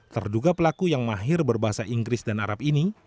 terduga pelaku yang mahir berbahasa inggris dan arab ini